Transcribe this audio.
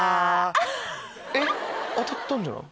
えっ当たったんじゃない？